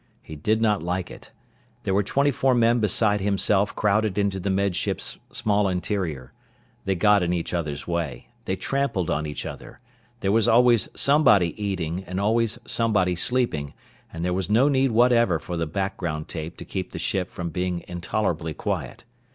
He did not like it. There were twenty four men beside himself crowded into the Med Ship's small interior. They got in each other's way. They trampled on each other. There was always somebody eating, and always somebody sleeping, and there was no need whatever for the background tape to keep the ship from being intolerably quiet.